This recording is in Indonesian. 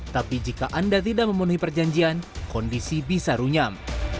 tapi jika anda tidak memenuhi perjanjian kondisi bisa runyam